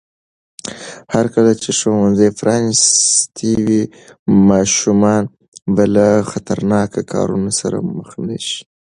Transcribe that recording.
هرکله چې ښوونځي پرانیستي وي، ماشومان به له خطرناکو کارونو سره مخ نه شي.